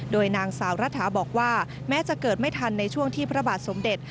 โดยนางสาวรัฐาบอกว่าแม้จะเกิดไม่ทันในช่วงที่พระบาทสมเด็จ